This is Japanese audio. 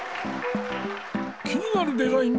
気になるデザイン